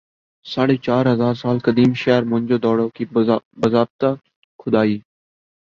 ساڑھے چار ہزار سال قدیم شہر موئن جو دڑو کی باضابطہ کھُدائی